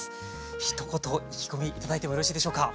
ひと言意気込み頂いてもよろしいでしょうか。